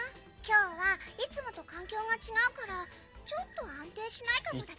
「今日はいつもと環境が違うからちょっと安定しないかも」